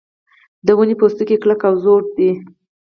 د ونې پوستکی کلک او زوړ دی.